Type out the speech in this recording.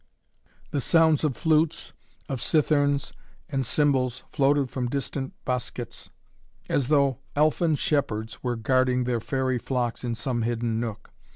The sounds of flutes, of citherns and cymbals floated from distant bosquets, as though elfin shepherds were guarding their fairy flocks in some hidden nook.